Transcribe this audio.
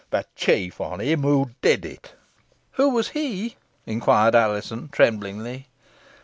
but chief on him who did it!" "Who was he?" inquired Alizon, tremblingly.